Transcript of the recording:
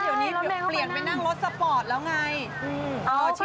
เขาบอกว่ามั่นฟ้าเป็นไฮโซเก๊